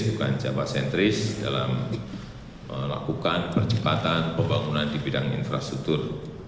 bukan jaba sentris dalam melakukan percepatan pembangunan di bidang infrastruktur